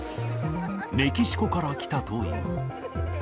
メキシコから来たという。